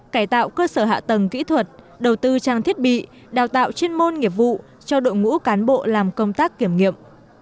cải tạo cơ sở hạ tầng kỹ thuật đầu tư trang thiết bị đào tạo chuyên môn nghiệp vụ cho đội ngũ cán bộ làm công tác kiểm nghiệm